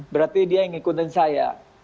berarti dia ngikutin saya